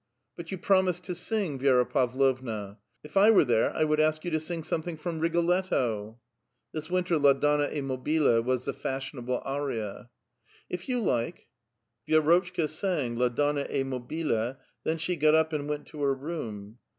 "But you promised to sing, Vi^ra Pavlovna; if I were there, I would ask you to sing something from Rigoletto." (This winter "La donna ^ mobile" was the fashionable aria.) " If vou like." Vierotchka sang " La donna ^ mobile "; then she got up and went to her room.